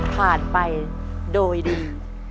ผ่านไปโดยดี